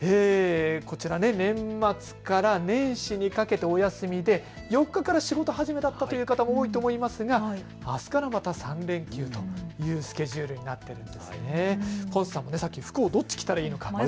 年末から年始にかけてお休みで４日から仕事始めだったという方も多いと思いますがあすからまた３連休というスケジュールになっているんですね。